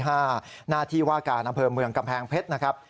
หน้าที่ว่าการอำเภอเมืองกำแพงเพชรนะครับ